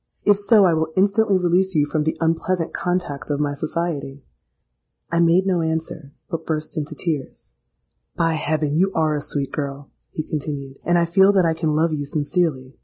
If so, I will instantly release you from the unpleasant contact of my society.'—I made no answer, but burst into tears.—'By heaven! you are a sweet girl,' he continued; 'and I feel that I can love you sincerely.